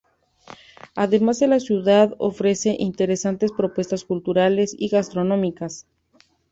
Además la ciudad ofrece interesantes propuestas culturales y gastronómicas.